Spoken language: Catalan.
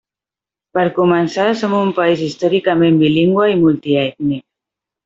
Per començar, som un país històricament bilingüe i multiètnic.